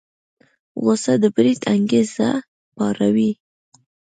غوسه د بريد انګېزه پاروي.